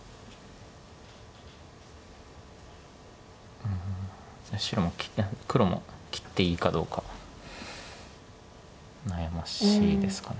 うん黒も切っていいかどうか悩ましいですかね。